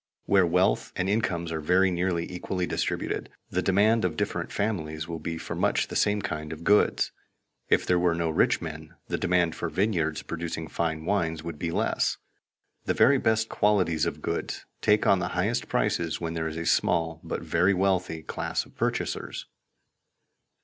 Where wealth and incomes are very nearly equally distributed, the demand of different families will be for much the same kinds of goods. If there were no rich men, the demand for vineyards producing fine wines would be less. The very best qualities of goods take on the highest prices when there is a small, but very wealthy, class of purchasers.